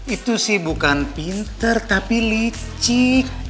itu sih bukan pinter tapi licik